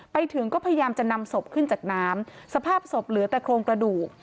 ไปถึงก็พยายามจะนำศพขึ้นจากน้ำสภาพศพเหลือแต่โครงกระดูก